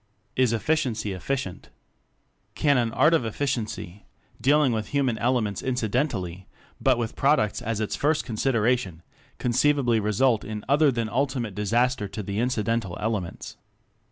Is "Efficiency"' Efficient? Can an Art of Efficiency, dealing with human elements incidentally, bn, with products as its first considera tion, conceivably result in other than ultimate disaster to the incidental "elements"?